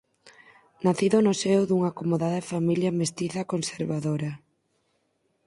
Nacido no seo dunha acomodada familia mestiza conservadora.